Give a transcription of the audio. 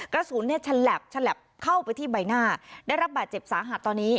กระสุนเนี่ยฉลับฉลับเข้าไปที่ใบหน้าได้รับบาดเจ็บสาหัสตอนนี้